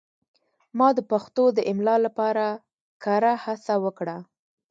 ما د پښتو د املا لپاره کره هڅه وکړه.